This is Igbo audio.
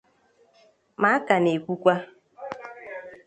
ma ka na-ekwukwa